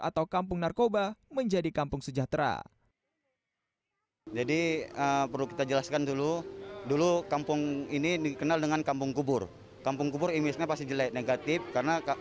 atau kampung narkotik